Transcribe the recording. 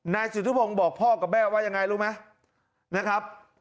นายสุธิพงศ์บอกพ่อกับแม่ว่ายังไงรู้ไหมนะครับ